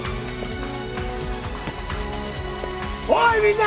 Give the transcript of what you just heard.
おいみんな！